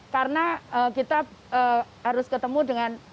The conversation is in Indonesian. karena kita harus ketemu dengan